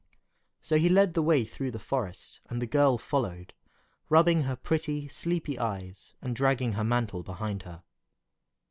So he led the way through the forest, and the girl followed, rubbing her pretty, sleepy eyes, and dragging her mantle behind her.